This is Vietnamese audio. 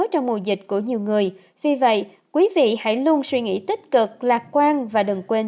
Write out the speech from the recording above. trong mùa dịch của nhiều người vì vậy quý vị hãy luôn suy nghĩ tích cực lạc quan và đừng quên